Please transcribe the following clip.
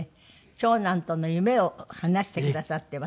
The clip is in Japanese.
長男との夢を話してくださっています。